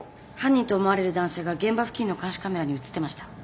犯人と思われる男性が現場付近の監視カメラにうつってました。